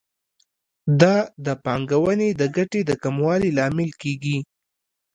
دا د پانګونې د ګټې د کموالي لامل کیږي.